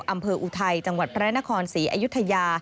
อำเภออุไทยจังหวัดพระนครสีอายุกรรม